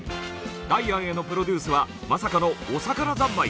ダイアンへのプロデュースはまさかのお魚三昧。